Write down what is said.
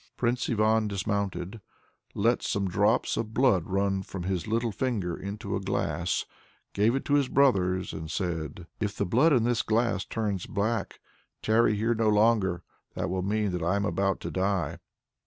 Prince Ivan dismounted, let some drops of blood run from his little finger into a glass, gave it to his brothers, and said: "If the blood in this glass turns black, tarry here no longer: that will mean that I am about to die."